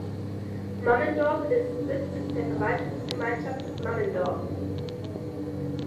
Mammendorf ist Sitz der Verwaltungsgemeinschaft Mammendorf.